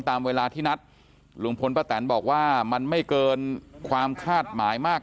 ตามเวลาที่นัดลุงพลป้าแตนบอกว่ามันไม่เกินความคาดหมายมาก